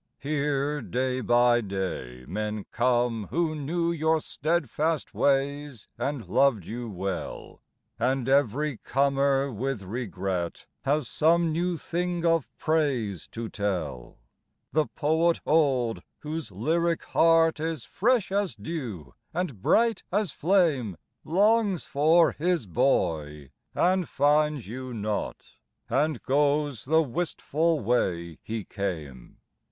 Here day by day men come who knew Your steadfast ways and loved you well; And every comer with regret Has some new thing of praise to tell. The poet old, whose lyric heart Is fresh as dew and bright as flame, Longs for "his boy," and finds you not, And goes the wistful way he came.